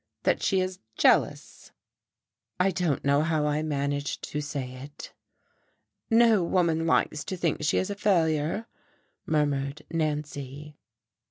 That she is jealous?" I don't know how I managed to say it. "No woman likes to think that she is a failure," murmured Nancy.